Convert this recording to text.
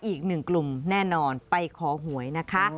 อีกหนึ่งกลุ่มแน่นอนไปขอหวยนะคะ